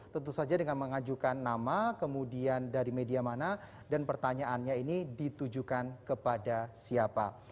tentu saja dengan mengajukan nama kemudian dari media mana dan pertanyaannya ini ditujukan kepada siapa